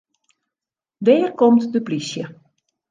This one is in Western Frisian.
Dêr komt de plysje.